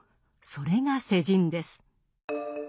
それが「世人」です。